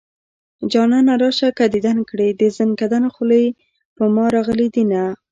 جانانه راشه که ديدن کړي د زنکدن خولې په ما راغلي دينه